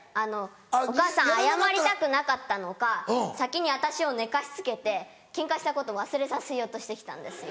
お母さん謝りたくなかったのか先に私を寝かしつけてケンカしたこと忘れさせようとして来たんですよ。